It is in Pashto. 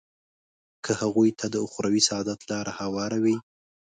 که هغوی ته د اخروي سعادت لاره هواروي.